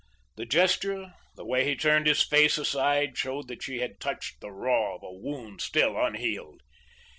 The gesture, the way he turned his face aside showed that she had touched the raw of a wound still unhealed.